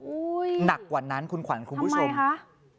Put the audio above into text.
อุ้ยหนักกว่านั้นคุณขวัญคุณผู้ชมทำไมคะ